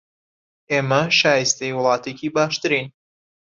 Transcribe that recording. ئێمە شایستەی وڵاتێکی باشترین